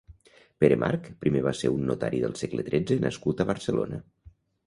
Pere March primer va ser un notari del segle tretze nascut a Barcelona.